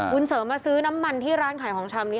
เสริมมาซื้อน้ำมันที่ร้านขายของชำนี้